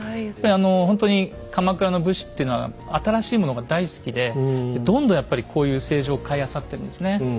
やっぱりほんとに鎌倉の武士っていうのは新しいものが大好きでどんどんやっぱりこういう青磁を買いあさってるんですね。